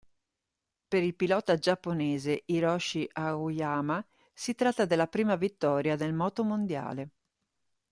Per il pilota giapponese Hiroshi Aoyama si tratta della prima vittoria nel motomondiale.